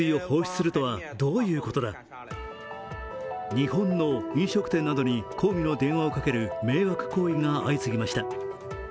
日本の飲食店などに、抗議の電話をかける迷惑行為が相次ぎました。